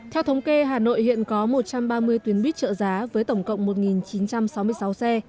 theo thống kê hà nội hiện có một trăm ba mươi tuyến buýt trợ giá với tổng cộng một chín trăm sáu mươi sáu xe